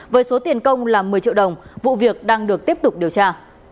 với số tiền công là một mươi triệu đồng vụ việc đang được tiếp tục điều tra